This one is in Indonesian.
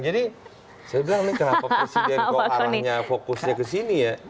jadi saya bilang ini kenapa presiden kok arahnya fokusnya kesini ya